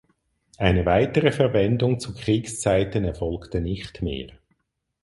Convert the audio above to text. Eine weitere Verwendung zu Kriegszeiten erfolgte nicht mehr.